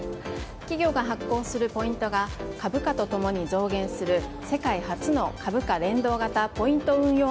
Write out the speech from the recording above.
企業が発行するポイントが株価と共に増減する世界初の株価連動型ポイント運用